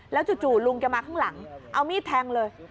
จู่ลุงแกมาข้างหลังเอามีดแทงเลย